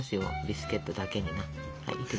ビスケットだけにな。